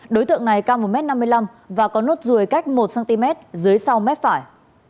đối tượng này cao một m năm mươi năm và có nốt ruồi cách một cm dưới sau mép phải